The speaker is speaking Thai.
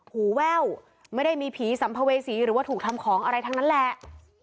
หูแว่วไม่ได้มีผีสัมภเวษีหรือว่าถูกทำของอะไรทั้งนั้นแหละ